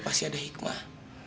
pasti ada hikmah